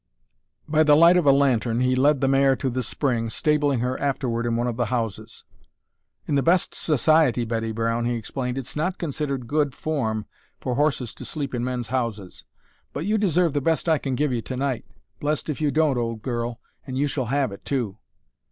By the light of a lantern he led the mare to the spring, stabling her afterward in one of the houses. "In the best society, Betty Brown," he explained, "it's not considered good form for horses to sleep in men's houses. But you deserve the best I can give you to night, blest if you don't, old girl, and you shall have it, too."